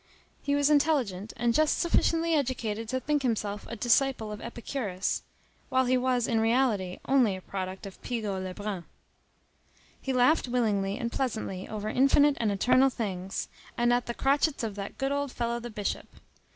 He was intelligent, and just sufficiently educated to think himself a disciple of Epicurus; while he was, in reality, only a product of Pigault Lebrun. He laughed willingly and pleasantly over infinite and eternal things, and at the "crotchets of that good old fellow the Bishop."